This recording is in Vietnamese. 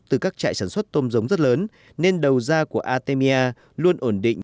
từ các trại sản xuất tôm giống rất lớn nên đầu da của artemia luôn ổn định